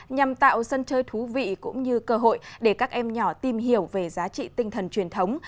nhằm tạo sân chơi thú vị cũng như cơ hội để các em nhỏ tìm hiểu về giá trị tinh thần truyền thống